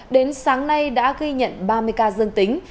đến sáng nay đã ghi nhận ba mươi ca dương tính